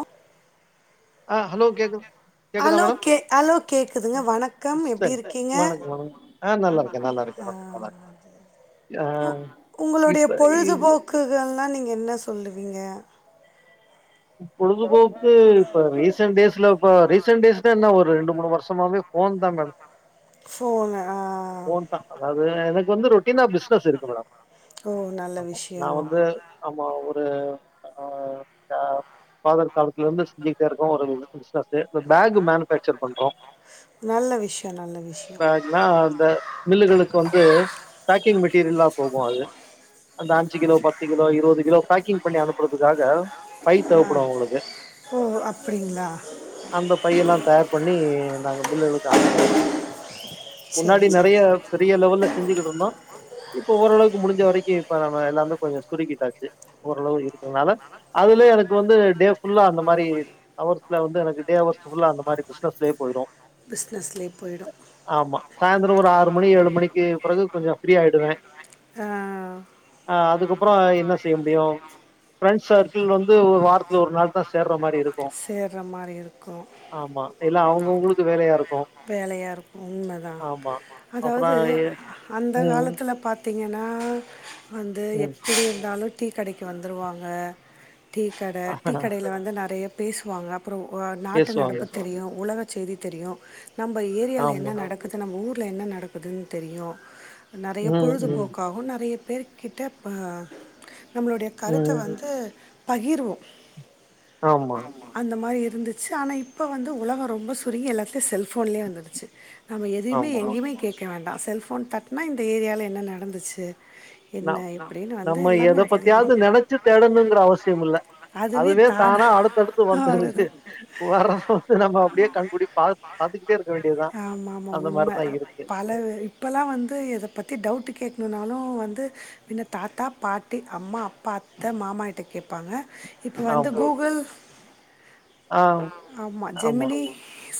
அ ஆ ஹலோ கேக்கு ஹலோ கே ஹலோ கேக்குதுங்க வணக்கம் எப்டி சரி. இருக்கீங்க வணக்கம், வணக்கம். ஆ அ நல்லா இருக்கேன், நல்லா இருக்கேன் அத மேடம். நல்லா அத இருக்கேன். ஆ உ உங்களுடைய இப்ப இந்த பொழுதுபோக் குகள்லா நீங்க என்ன சொல்லுவீங்க பொழுதுபோக்கு இப்ப ரீசெண்ட் டேஸ்ல இப்ப ரீசன்ட் டேஸ்ல என்ன ஒரு ரெண்டு மூணு வருஷமாவே ஃபோன் தா மேம் ஃபோனு ஆ ஃபோன் பாக் அதாவ்து எனக்கு வந்து ரொட்டீனா பிசினஸ் இருக்கு மேடம் ஓ நல்ல ஆமா நா விஷயோ வந்து ஆமா ஒரு ஆ கா ஃபாதர் காலத்துல இருந்து செஞ்சிக்ட்டே இருக்கோ ஒரு பிசினஸ்ஸு இந்த பேகு மேனுஃபேக்சர் பண்றோ என்ன விஷ்யோ நல்ல விஷ்யோ நா அந்த மில்லுகளுக்கு வந்து பேக்கிங் மெட்டீரியல்லா போகு அது அந்த அஞ்சு கிலோ பத்து கிலோ இருவது கிலோ பேக்கிங் பண்ணி அனுப்புறதுக்காக பை தேவப்படு அவுங்களுக்கு ஓ அப்டிங்ளா அந்த பையெல்லா தயார் பண்ணி நாங்க மில்லுகளுக்கு அனுப்புவோ சரி முன்னாடி சரி நெறைய பெரிய லெவல்ல செஞ்சிகிட்ருந்தோ இப்ப ஓரளவுக்கு முடிஞ்ச வரைக்கி இப்ப நம்ம எல்லாமே கொஞ்சோ சுருக்கிட்டாச்சு ஓரளவு இருக்கறனால இதே எனக்கு வந்து டே ஃபுல்லா அந்த மாரி அவர்ஸ்ல வந்து எனக்கு டே அவர்ஸ் ஃபுல்லா அந்த மாரி பிசினஸ்லயே போயிரு பிஸ்னஸ்லே போயிடு ஆமா சாய்ந்ரோ ஒரு ஆறு மணி ஏழு மணிக்கு பிறகு கொஞ்சோ ஃப்ரீ ஆயிடுவே ஆ ஆ அதுகப்பறோ என்ன செய்ய முடியு ஃப்ரன்ஸ் மாரி இருக்கு சேர்ற மாரி இருக்கு ஆமா இல்ல அவுங்கவுங்களுக்கு வேலையா இருக்கு ஆமா அப்புறம் அதாவுது எ அந்த ம், காலத்தில பாத் பாத்திங்கன்னா வந்து ம். எப்டி இருந்தாலு டீ கடைக்கு வந்துருவாங்க டீ கட டீ கடைல வந்து நெறைய பேசுவாங்க அப்றோ நாட்டு பேசுவாங்க. நடப்பு தெரியு உலக செய்தி தெரியு நம்ம ஏரியால ஆமா. என்ன நடக்குது நம்ம ஊர்ல என்ன நடக்குதுன் தெரியு நெறைய ம், பொழுது ம், போக்காகு நெறைய பேர்கிட்ட ப நம்மளுடைய கருத்த ம். வந்து பகிர்வோ ஆமா, அந்த மாரி இருந்துச்சு ஆனா இப்போ வந்து உலகோ ரொம்போ சுருங்கி எல்லாத்தையு செல்ஃபோன்லேயே வந்துருச்சு நம்ம எதயிமே ஆமாமா. எங்கேயிமே கேக்க வேண்டா செல்ஃபோன் தட்னா இந்த ஏரியால என்ன நடந்துச்சு ந என்ன இப்படின்னு வந்து நம்ம எல்லாமே எத அதுலேயே பத்தியாவ்து நெனச்சு தேடணுங்கற அவசியம் இல்ல அதுவே தானா அடுத்தடுத்து வருது வந்துருது வரம்போது நம்ம அப்டியே கண் கூடி பாத் பாத்துக்கிட்டே இருக்க வேண்டியதுதா அந்த மாரிதா இருக்கு அளவு இப்பல்லா வந்து எத பத்தி டவுட்டு கேக்குணுனாலு வந்து எங்க தாத்தா பாட்டி அம்மா அப்பா அத்த மாமாகிட்ட கேப் ருப்பாங்க இப்ப வந்து ஆமா. கூகுள் ஆ, ஆமா ஜெமினி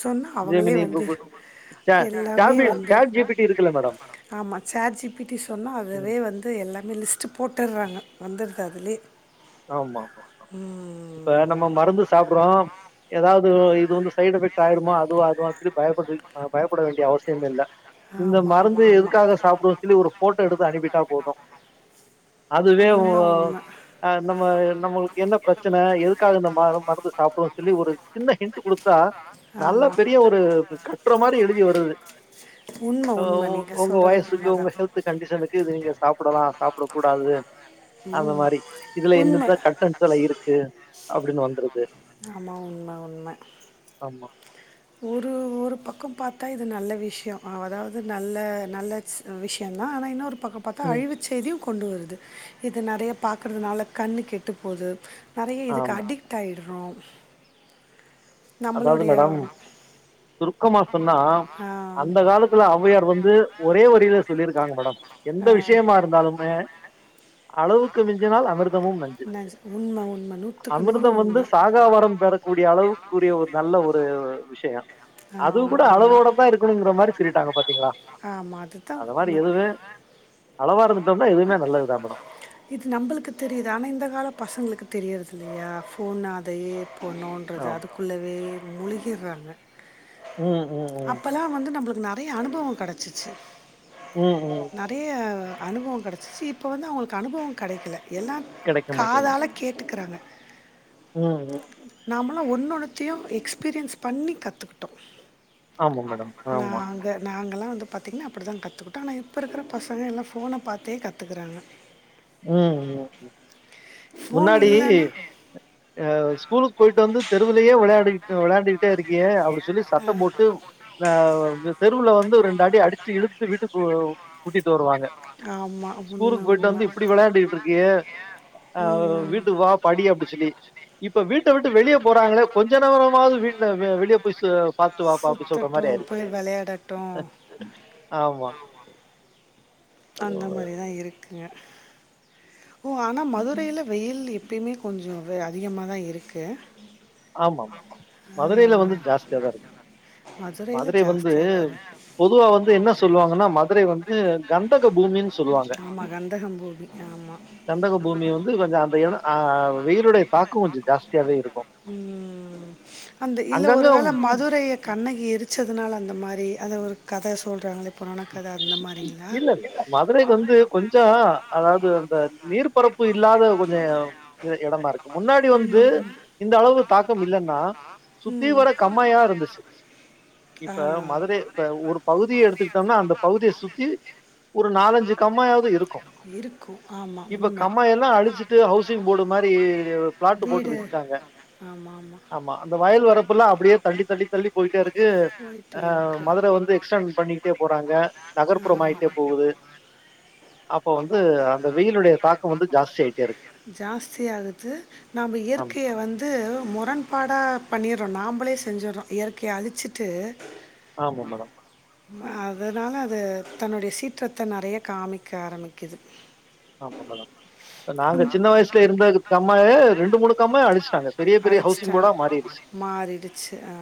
சொன்னா அவங்களே ஜெமினி, வந்து கூகுள். ச எல்லாமே சாபி வந்து சாட் ஜிபிடி இருக்குல்ல மேடம். ஆமா சாட்ஜிபிட்டி சொன்னா ம். அதுவே வந்து எல்லாமே லிஸ்ட் போட்டறாங்க வந்துடுது அதுலே ஆமா ம் இப்ப நம்ம மருந்து சாப்றோ ஏதாவது இது வந்து சைட் எஃபெக்ட் ஆயிடுமோ அதுவா அதுவா சொல்லி பயப்பட பயப்பட வேண்டிய அவசியம் இல்ல இந்த ஆமா ஆமா மருந்து ஆமா எதுக்காக சாப்புடுவோம் சொல்லி ஒரு போட்டோ எடுத்து அனுப்பிட்டா போதும் அதுவே ஓ உண்மை உண்மை நம்ம நம்மளுக்கு என்ன பிரச்சன எதுக்காக இந்த மா மருந்து சாப்புட்ரோனு சொல்லி ஒரு சின்ன ஹின்ட் குடுத்தா நல்ல ஆமா பெரிய ஒரு கட்டுற மாரி எழுதி வருது உண்மை உ உண்மை நீங்க உங்க சொல்றது வயசுக்கு உண்மைதான் உங்க ஹெல்த் கண்டிஷனுக்கு இது நீங்க சாப்பிடலா சாப்பிட கூடாது அந்த ம் மாரி இதுல எந்தெந்த கட்டன் செல இருக்கு அப்படின் வந்துருது ஆமா உண்மை உண்மை ஆமா ஒரு ஒரு பக்கம் பாத்தா இது நல்ல விஷய அதாவது நல்ல நல்ல விஷயந்தா ஆனா இன்னொரு பக்க பார்த்தா ம் அழிவு செய்தியு கொண்டு வருது இத நறைய பாக்கறதுனால கண்ணு கெட்டு போது நெறைய இதுக்கு ஆமா அடிக்ட் ஆயிடுறோ அதாவது நம்மலோடைய மேடம் சுருக்கமா சொன்னா அந்த காலத்துல அம்மையார் வந்து ஒரே வரில சொல்லிருகாங்க மேடம் அ எந்த விஷயமா இருந்தாலுமே அளவுக்கு மிஞ்சினால் அமிர்தமும் நஞ்சு நான் சொ- உண்மை உண்மை நூற்றுக்கு நூறு அமிர்தம் வந்து உண்மை சாகா வரம் பெற கூடிய அளவுக்குரிய ஒரு நல்ல ஒரு விஷய அது கூட ஆமாம் உண்மை அளவோட தா இருக்கணுங்கிற மாரி சொல்லிட்டாங்க பாத்தீங்ளா ஆமா அதுதா அது மாரி எதுவுமே அளவா இருந்துட்டோம்னா எதுவுமே நல்லதுதா மேடம் இது நம்பளுக்கு தெரியுது ஆனா இந்த கால பசங்களுக்கு தெரியிறது இல்லையா ஃபோன் அதயே போணுன்றது ஆம். அதுக்குள்ளவே முழுகிறாங்க ம் ம் ம் அப்பலா வந்து நம்பளுக்கு நெறைய அனுபவ கெடச்சுச்சு ம் ம் ப்டியே அனுபவ கெடச்சிச்சு இப்போ வந்து அவங்களுக்கு அனுபவம் கெடைக்கல எல்லா கிடைக்க மாட்டேங்குது காதால கேட்டுகுறாங்க ம் ம் நாமளா ஒன்னொன்னத்தையு எக்ஸ்பீரியன்ஸ் பண்ணி கத்துக்கிட்டோ ஆமா நாங்க நாங்கலா வந்து பாத்திங்கன்னா அப்படி தான் கத்துக்கிட்டோ ஆனா இப்போ இருக்கிற பசங்க எல்லா ஃபோன பாத்தே கத்துக்குறாங்க ம் ம் ஃபோன் ம் இல்லன்னா முன்னாடி எ ஸ்கூலுக்கு போயிட்டு வந்து தெருவுலயே விளையாடிட் விளாண்டுக்கிட்டே இருக்கியே அப்டி சொல்லி சத்தம் போட்டு அ இந்த தெருவுல வந்து ரெண்டு அடி அடிச்சு இழுத்து வீட்டுக்கு கூட்டிட்டு வருவாங்க ஆமா உண்ம ஸ்கூலுக்கு போயிட்டு உண்ம வந்து இப்டி விளையாண்டுட்டு இருக்கியே அ ம். வீட்டுக்கு வா படி அப்டி சொல்லி இப்ப வீட்ட விட்டு வெளியே போறாங்களே கொஞ்ச நேரமாவது வீட்ட வெளியே போய் சு பாத் துவாப்பா அப்டி சொல்ற மாரி சுத்தட்டும், ஆயிருச் போய் விளையாடட்டும். ஆமா அந்த மாரி தா இருக்குங்க ஓ ஆனா மதுரைல வெயில் எப்பயுமே கொஞ்சோ வெ அதிகமா தா இருக்கு ஆமாமாமா மதுரைல வந்து ஜாஸ்தியா தா இருக்கு மதுரைல மதுரை வந்து ஜாஸ்தியா தா இருக்கு பொதுவா வந்து என்ன சொல்லுவாங்கன்னா, மதுரை வந்து கந்தக பூமின் சொல்லுவாங்க ஆமா, கந்தகம் பூமி. ஆமா. கந்தக பூமி வந்து கொஞ்ச அந்த எடோ ஆ வெயிலுடைய தாக்கோ கொஞ்சோ ஜாஸ்தியாவே இருக்கு ம் அந்த இல்ல ஒருவேள மதுரைய கண்ணகி எரிச்சதுனால அந்த மாரி அந்த ஒரு கத சொல்றாங்களே புராண கத அந்த மாரிங்ளா மதுரை வந்து கொஞ்சோ அதாவ்து அந்த நீர் பரப்பு இல்லாத கொஞ்சோ எ எடமா இருக்கு முன்னாடி வந்து இந்தளவு தாக்கம் இல்லன்னா சுத்தீ ம் வர கம்மாயா இருந்துச்சு ஆ இப்ப மது ர இப்ப ஒரு பகுதிய எடுத்துக்கிட்டம்னா அந்த பகுதிய சுத்தி ஒரு நாலஞ்சு கம்மாயாவ்து இருக்கு இருக்கும். ஆமா இப்ப உண்ம. கம்மாயெல்லா அழிச்சிட்டு ஹவுஸ் சிங் போடு மாரி பிளாட்டு் போட்டு விட்டாங்க ஆமா அந்த வயல் வரப்புல்லா அப்டியே தட்டி தட்டி தட்டி போய்ட்டே இருக்கு அ மதுர வந்து எக்ஸ்டண் பண்ணீட்டே போறாங்க நகர்ப்புறம் ஆய்ட்டே போகுது அப்போ அப்ப வந்து அந்த வெயிலுடைய தாக்கம் தாக்கோ வந்து ஜாஸ்தி ஆயிட்டே இருக்கு. ஜாஸ்தி ஆய்ட்டே இருக்கு நம்ம ஆமா, இயற்கைய வந் து முரண்பாடா பண்ணீர்றோ நாம்பளே செஞ்சட்றோ இயற்கைய அழிச்சிட்டு ஆமா மேடம் ம அதுனால அது தன்னுடைய சீற்றத்த நெறைய காமிக்க ஆரம்பிக்கிது ஆமா மேடம் அ நாங்க சின்ன வய்சுல இருந்த துட் கம்மாயே ரெண்டு மூணு கம்மாய அழிச்சுட்டாங்க பெரிய பெரிய ஹவுசிங் அடிச்சிட்டா போடா மாறிடுச்சு மாறிடுச்சு ஆ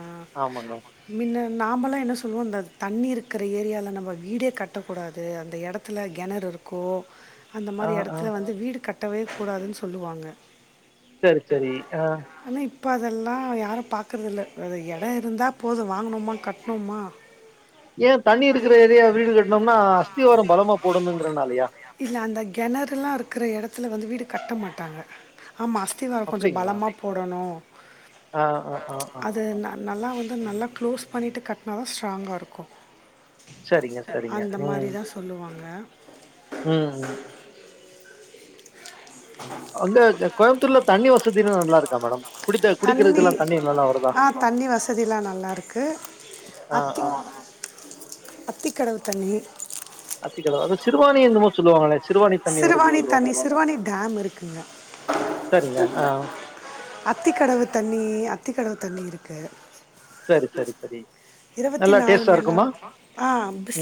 ஆமாங்க. மின்ன நாமல்லா என்ன சொல்வோ இந்த தண்ணி இருக்கற ஏரியால நம்ம வீடே கட்ட கூடாது அந்த எடத்துல கெணற் இருக்கு அந்த ஆ, மாரி ஆ. எடத்துல வந்து வீடு கட் டவே கூடாதுன் சொல்லுவாங்க சரி, சரி. ஆ. ஆனா இப் ப அதெல்லா யாரு பாக்கறதில்ல ஒரு எடோ இருந்தா போது வாங்குணோமா கட்ணோமா ஏ தண்ணி இருக்கற ஏரியால் வீடு கட்னம்னா அஸ்திவாரோ பலமா போடணுங்கிறனாலயா இல்ல அந்த கெணறுல்லா இருக்கற எடத்துல வந்து வீடு கட்ட மாட்டாங்க ஆமா அஸ்திவாரோ கொஞ்ச அப்படிங்களா? பலமா போடணு ஆ, ஆ, ஆ, ஆ. அது ந நல்லா வந்து நல்லா க்ளோஸ் பண்ணீட்டு கட்னா தா ஸ்ட்ராங்கா இருக்கு சரிங்க சரிங்க ம் அப்டி தா சொல்லுவாங்க ம் ம் அங்க கோயம்புத்தூர்ல தண்ணி வசதிலாம் நல்லா இருக்கா மேடம்? குடித்த தண்ணி குடிக்கிறதுக்கெல்லாம் நல்லா வருதா? அ தண்ணி வசதில்லா நல்லாருக்கு ஆ, அத்தி ஆ. அத்திக்கடவு தண்ணி அத்திக்கடவு அது சிறுவாணி என்னமோ சொல்லுவாங்களே சிறுவாணி தண்ணி வருதுன்னு சிறுவாணி தண்ணி சொல்லுவாங்களே சிறுவாணி டேம் இருக்குங்க சரிங்க ஆ அத்திக்கடவு தண்ணி அத்திக்கடவு தண்ணி இருக்கு சரி சரி சரி இருவத்தி நல்லா நாலு டேஸ்ட்டா மண் இருக்குமா நேரோ ஆ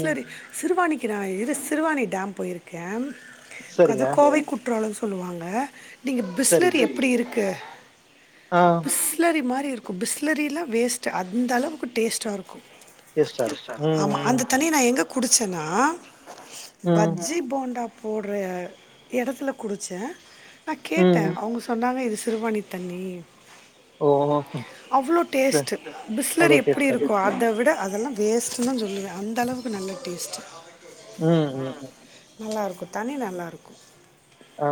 ம் சிறுவாணிக்கு நா இரு சிறுவாணி டேம் போயிருக்கே கத சரிங்க கோவை குற்றாலம் சொல்லுவாங்க நீங்க சரி பிஸ்லரி எப்டி இருக்கு ஆ பிஸ்லரி மாரி இருக்கு பிஸ்லரிலா வேஸ்ட்டு அந்தளவுக்கு டேஸ்ட்டா இருக்கு டேஸ்ட்டா இருக்கும் ஆமா ம் அந்த ம் தண்ணி நா எங்க குடிச்சனா ம் பஜ்ஜி, போண்டா போட்ற எடத்துல குடிச்சே நா கேட்டே ம் அவுங்க சொ சொன்னாங்க இது சிறுவாணித் தண்ணி ஓ ம் அவ்ளோ ச டேஸ்ட் பிஸ்லரி அவ்ளோ எப்டி டேஸ்ட்டா இருக்கு அத விட அதெல்லா வேஸ்ட்டுதா சொல்லுவே அந்தளவுக்கு நல்ல டேஸ்ட்டு ம் ம் நல்லாருக்கும் தண்ணி நல்லாயிருக்கும் ஆ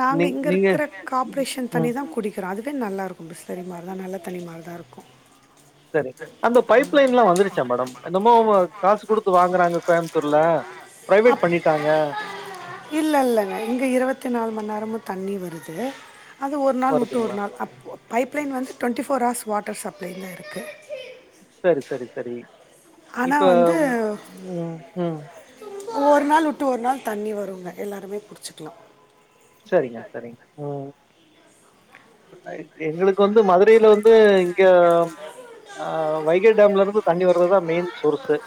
நாங்க நீ இங்க நீங்க இருக்கிற காப்ரேஷன் தண்ணி ம் தா குடி குறோ அதுவே நல்லாருக்கு பிஸ்லரி மாரி தா நல்ல தண்ணி மாரி தா இருக்கு சரி அந்த பைப்லைன்ல்லா வந்துருச்சா மேடம் என்னமோ காசு குடுத்து வாங்குறாங்க கோயம்புத்தூர்ல பிரைவேட் பண்ணிட்டாங்க இல்ல இல்லங்க இங்க இருவத் நாலு மணி நேரமு தண்ணி வருது அது ஒரு நாள் வுட்டு ஒரு வருதுங்களா நாள் அப் பைப்லைன் வந்து twenty four hours water supply தான் இருக்கு சரி சரி சரி இப்ப ஆனால் ம் ம் ஒவ்வொரு நாள் விட்டு ஒரு நாள் தண்ணி வருங்க எல்லாருமே புடுச்சிக்கலாம் சரிங்க சரிங்க ம் எங்களுக்கு வந்து மது இடையில வந்து இங்க ஆ வைகை டேம்ல இருந்து தண்ணி வர்றதுதா மெயின் சோர்ஸு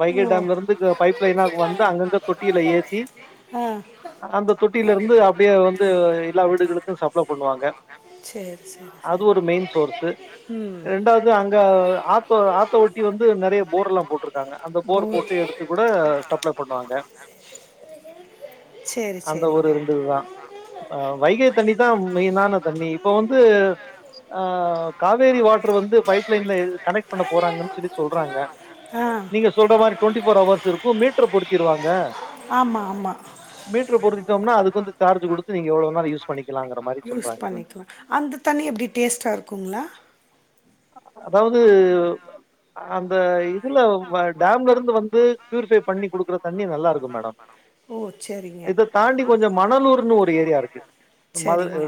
வைகை ஓ டாம்ல இருந்து பைப் லைனா வந்து அங்கங்க தொட்டியில ஏத்தி அ அந்த தொட்டில இருந்து அப்டியே வந்து எல்லா வீடுகளுக்கு சப்ள பண்ணுவாங்க சரி சரி அது சரி ஒரு மெயின் சோர்ஸூ ம் ரெண்டாவது அங்க ஆத்த ஆத்த ஒட் டி வந்து நெறைய போர் எல்லாம் போட்டிருக்காங்க அந்த போர் போட்டு எடுத்து கூட சப்ள பண்ணுவாங்க சரி அந்த ஒரு சரிங்க ரெண்டுதுதா அ வைகை தண்ணிதா மெயினான தண்ணி இப்ப வந்து ஆ காவேரி வாட்டர் வந்து பைப் லைன்ல கனெக்ட் பண்ண போறாங்கன் சொல்லி சொல்றாங்க ஆ நீங்க சொல்ற மாரி ட்வெண்டி ஃபோர் ஹவர்ஸ் இருக்கும் மீட்டர் பொறுத்திருவாங்க ஆமா ஆமா மீட்டர் பொருத்திட்டோம்னா அதுக்கு வந்து சார்ஜ் குடுத்து நீங்க எவ்ளோவேணாலு யூஸ் பண்ணிக்கலாங்க மாரி யூஸ் சொல்றாங்க பண்ணிக்கலாம் அந்த தண்ணி எப்டி டேஸ்ட்டா இருக்குங்களா அதாவது அந்த இதுல டேம்ல இருந்து வந்து ப்யூரிஃபை பண்ணி குடுக்குற தண்ணி நல்லா இருக்கும் மேடம் ஓ சேரிங்க இத தாண்டி கொஞ்ச மணலூர்ன்னு ஒரு ஏரியா இருக்கு மத சரிங்க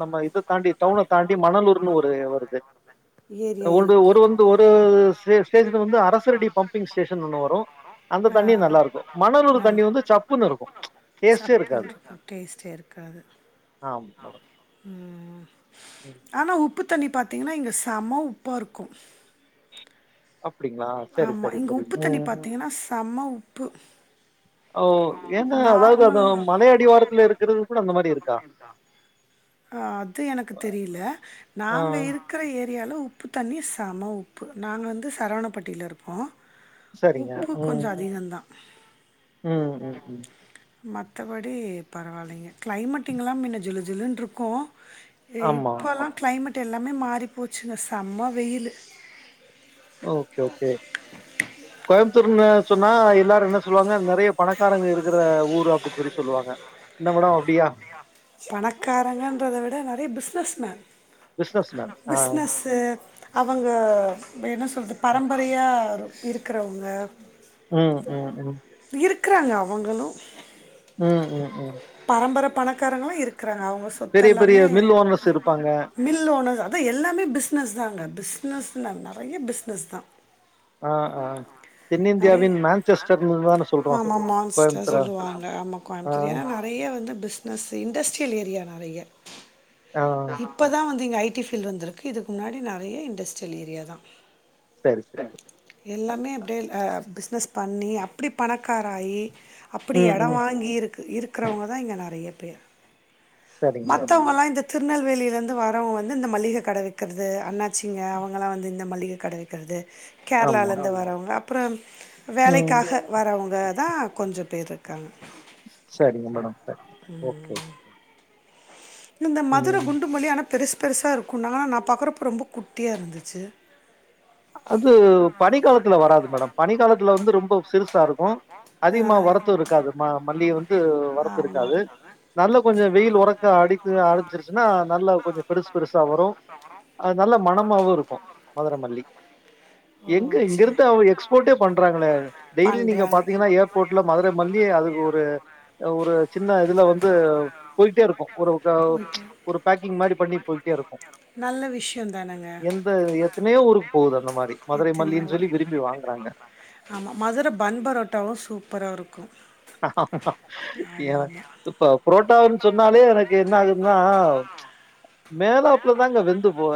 நம்ம இத தாண்டி டவுன தாண்டி மணலூர்ன்னு ஒரு வருது ஏரியா ஒரு இருக்கு ஒரு வந்து ஒரு ஸ்டேஷன் வந்து அரசரடி பம்பிங் ஸ்டேஷன் ஒன்னு வரு அந்த தண்ணி நல்லா இருக்கும் மணலூறு தண்ணி வந்து சப் சப்புனு இருக்கு டேஸ்டே இருக்காது டேஸ்டே இருக்காது ஆம் மேடம் ம் ஆனா உப்பு தண்ணி பாதீங்கன்னா இங்க செம உப்பா இருக்கும் அப்டிங்களா சரி ஆமா சரி இங்க சரி உப்பு தண்ணி ம் பாத்தீங்கன்னா செம்ம உப்பு ஓ ஏங்க அதாவது அது நார்மல் மல அடிவாரத்துல இருக்கிறது கூட அந்த மாரி இருக்கா அது எனக்கு தெரியில ஆ நாங்க இரு க்கிற ஏரியால உப்பு தண்ணி செம உப்பு நாங்க வந்து சரவணப்பட்டியில இருக்கோ போ சரிங்க. உப்பு கொஞ்ச ம் அதிகம் தா ம் ம் ம். மற்றபடி பரவாயில்லைங்க கிளைமேட் இங்கல்லாம் முன்ன ஜிலு ஜிலுனு இருக்கும் அ ஆமா. இப்போல்லாம் கிளைமேட் எல்லாமே மாறி போச்சுங்க செம்ம வெயிலு ஓகே ஓகே கோயம்புத்தூர்னு சொன்னா எல்லாரு என்ன சொல்லுவாங்க நெறைய பணக்காரங்க இருக்கிற ஊரு அப்டின் சொல்லி சொல்லுவாங்க ன்ன மேடோ அப்டியா பணக்காரங்கன்றத விட நெறைய பிஸ்னஸ்மேன் பிசினஸ் மேன். ஆ. பிஸ்னஸ்ஸு அவங்க என்ன சொல்றது பரம்பரயா இருக்கிறவங்க ம் ம் ம். இருக்கறாங்க அவங்களு ம் ம் ம் பரம்பர பணக்காரங்களு இருக்கறாங்க அவங்க ஸ் பெரிய பெரிய மில் ஓனர்ஸ் இருப்பாங்க மில் ஓனர்ஸ் அதா எல்லாமே பிஸ்னஸ் தாங்க பிஸ்னஸ்ன நெறைய பிஸ்னஸ் தா ஆ ஆ நெறய தென்னிந்தியாவின் மான்செஸ்டர்ன்னு தான சொல்றோம் ஆமா மான்ஸ்டர் கோயம்புத்தூர. சொல்லுவாங்க ஆமா ஆ கோயபுத்தூர் ஏனா நெறைய வந்து பிசினஸ்ஜு இண்டஸ்ட்ரியல் ஏரியா நெறைய ஆ. இப் ப தா வந்து இங்க ஐ டி ஃபீல்டு வந்திருக்கு இதுக்கு முன்னாடி நெறைய இண்டஸ்ட்ரியல் ஏரியா தா சரி சிஸ்டர் எல்லாமே அப்டியே ஹ பிஸ்னஸ் பண்ணி அப்டி பணக்காராயி அப்டி ம் எடோ ம். வாங்கி இருக் இருக்கிறவங்க தா இங்க நெறைய பேர் சரிங்க மேடம். மத்தவங்கலா இந்த திருநெல்வேலியிலருந்து வாரவங்க வந்து இந்த மளிக கட வெக்கிறது அண்ணாச்சிங்க அவங்களலா வந்து இந்த மளிக கட வெக்கறது ஆமா. கேரளால இந்து வரவங்க அப்றம் ம். வேலைக்காக வரவங்க தா கொஞ்ச பேரு இருக்காங்க சரிங்க மேடம் சரி ஓகே ஓகே இந்த மதுர குண்டு மல்லி ஆனா பெருசு பெருசா இருக்குன்னாங்ங ஆனா நா பாக்குறப்ப ரொம்ப குட்டியா இருந்துச்சு அது பனி காலத்துல வராது மேடம் பனி காலத்துல வந்து ரொம்ப சிறுசா இருக்கு அதிகமா வரத்து இருக்காது ம மல்லி வந்து வரத்து இருக்காது ஆமாம் நல்லா கொஞ்ச வெயில் வொரக்க அடி சிருச்சுன்னா நல்லா கொஞ்ச பெருசு பெருசா வரு அது நல்ல மணமாவு இருக்கு மதுரமல்லி எங்க ஓ சரி இங்கருந்துதா அவங்க எக்ஸ்போர்ட்டே பண்றாங்கள டெய்லி நீங்க பண்ணுறாங்க பாத்தீங்கனா ஏர் போட்டுல மதுர மல்லி அதுக்கு ஒரு ஒரு சின்ன இதுல வந்து போயிட்டே இருக்கு ஒரு கா உ நல்ல விஷியோந்தானங்க எந்த எத்தனையோ ஊருக்கு போகுது அந்த மாரி மதுரை மல்லின்னு சொல்லி விரும்பி வாங்கறாங்க ஆமா மதுர பன் பரோட்டாவு சூப்பராவு இருக்கு ஏ இப்ப புரோட்டாவு சொன்னாலே எனக்கு என்ன ஆகுதுன்னா மேலாப்லதாங்க வெந்து போவ